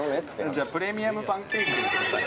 ◆じゃあ、プレミアムパンケーキください。